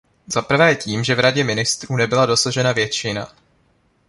Za prvé tím, že v Radě ministrů nebyla dosažena většina.